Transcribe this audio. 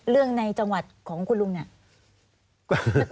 เรื่องในจังหวัดของคุณลุงเนี่ย